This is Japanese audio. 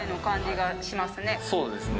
そうですね